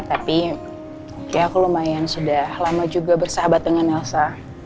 tapi ya aku lumayan sudah lama juga bersahabat dengan elsa